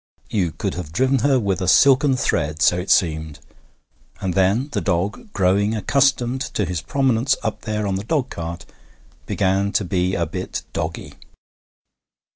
You could have driven her with a silken thread, so it seemed. And then the dog, growing accustomed to his prominence up there on the dogcart, began to be a bit doggy.